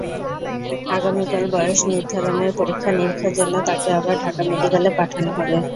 আগামীকাল বয়স নির্ধারণের পরীক্ষা-নিরীক্ষার জন্য তাকে আবার ঢাকা মেডিকেলে পাঠানো হবে।